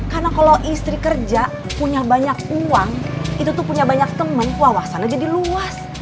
karena kalau istri kerja punya banyak uang itu tuh punya banyak temen wawasannya jadi luas